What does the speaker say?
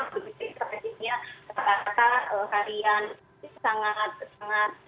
profesinya tetap tetap harian sangat sangat